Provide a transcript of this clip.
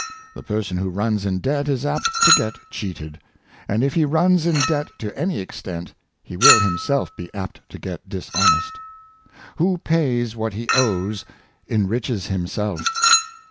The person who runs in debt is apt to get cheated; and if he runs in debt to any extent, he will himself be apt to get dishonest. " Who pays what he owes, enriches himself."